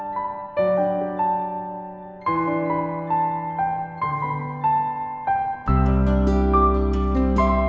mika bukan adik kandung gua